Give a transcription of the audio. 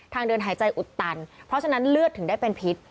เดินหายใจอุดตันเพราะฉะนั้นเลือดถึงได้เป็นพิษ